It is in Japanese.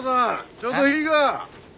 ちょっといいが？